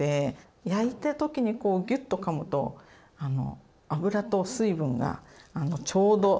焼いた時にこうギュッとかむと油と水分がちょうど何て言うんだろう